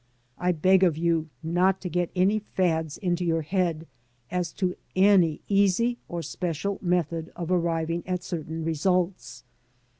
I beg of you not to get any fads into your head as to any easy or special method of arriving at certain results.